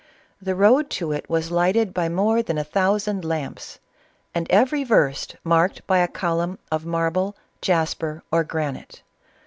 The road to it was light ed by more than a thousand lamps, and every verst marked by a column of marble, jaspar, or granite.